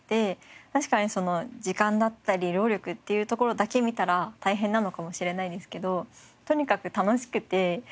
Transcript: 確かにその時間だったり労力っていうところだけ見たら大変なのかもしれないですけどとにかく楽しくて。